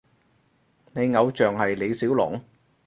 你偶像係李小龍？